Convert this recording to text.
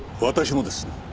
私もです。